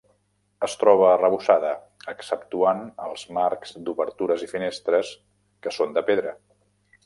Es troba arrebossada, exceptuant els marcs d'obertures i finestres, que són de pedra.